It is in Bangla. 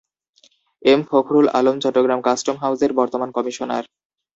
এম ফখরুল আলম চট্টগ্রাম কাস্টম হাউসের বর্তমান কমিশনার।